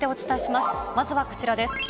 まずはこちらです。